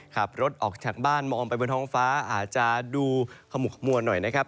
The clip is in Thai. ขับรถออกจากบ้านมองไปบนท้องฟ้าอาจจะดูขมุกขมัวหน่อยนะครับ